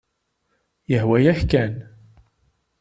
Yehwa-yak kan.